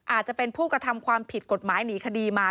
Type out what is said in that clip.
อาจจะเป็นผู้กระทำความผิดกฎหมายหนีคดีมา